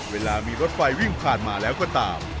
เวลามีรถไฟวิ่งผ่านมาแล้วก็ตาม